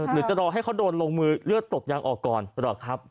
หรือจะรอให้เขาโดนลงมือเลือดตกยางออกก่อนหรือครับ